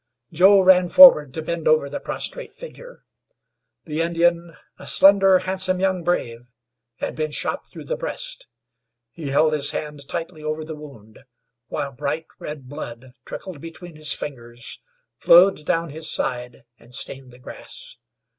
Joe ran forward to bend over the prostrate figure. The Indian, a slender, handsome young brave, had been shot through the breast. He held his hand tightly over the wound, while bright red blood trickled between his fingers, flowed down his side, and stained the grass.